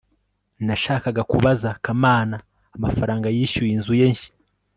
nashakaga kubaza kamana amafaranga yishyuye inzu ye nshya